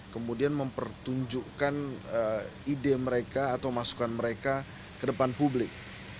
kemudian mempertunjukkan ide mereka atau masukan mereka ke depan publik